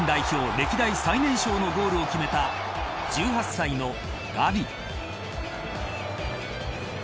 歴代最年少のゴールを決めた１８歳のガヴィ。